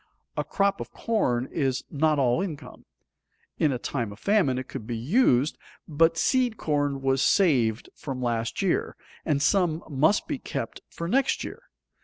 A crop of corn is not all income. In a time of famine it could be used, but seed corn was saved from last year, and some must be kept for next year.